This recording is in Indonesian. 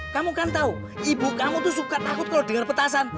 kamu kan tau ibu kamu suka takut kalau denger petasan